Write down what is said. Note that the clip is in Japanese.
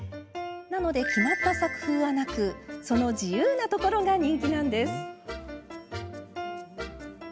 決まった作風はなくその自由なところが人気なんです。